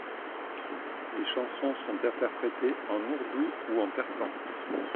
Les chansons sont interprétées en ourdou ou en persan.